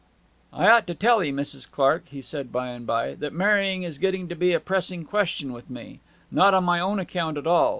'I ought to tell 'ee, Mrs. Clark,' he said by and by, 'that marrying is getting to be a pressing question with me. Not on my own account at all.